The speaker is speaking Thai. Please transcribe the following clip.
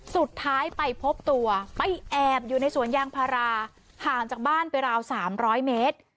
สุดท้ายไปพบตัวไปแอบอยู่ในสวนยางพาราห่างจากบ้านไปราว๓๐๐เมตร